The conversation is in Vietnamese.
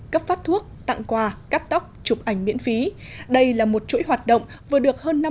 cấp phát thuốc tặng quà cắt tóc chụp ảnh miễn phí đây là một chuỗi hoạt động vừa được hơn năm mươi